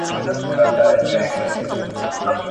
کشپ ولیدل له پاسه شنه کښتونه !.